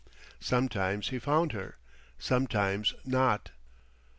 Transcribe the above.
Sometimes he found her, sometimes not.